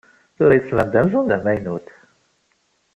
Tura yettban-d amzun d amaynut.